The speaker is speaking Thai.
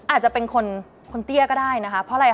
อาจจะเป็นคนเตี้ยก็ได้นะคะเพราะอะไรค